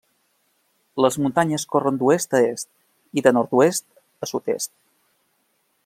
Les muntanyes corren d'oest a est i de nord-oest a sud-est.